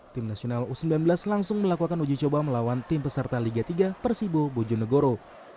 tim nasional u sembilan belas langsung melakukan uji coba melawan tim peserta liga tiga persibo bojonegoro